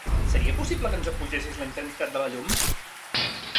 Seria possible que ens apugessis la intensitat de la llum?